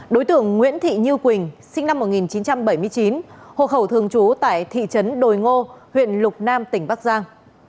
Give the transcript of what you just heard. đối tượng nguyễn thị như quỳnh sinh năm một nghìn chín trăm bảy mươi chín hộ khẩu thường trú tại thị trấn đồi ngô huyện lục nam tỉnh bắc giang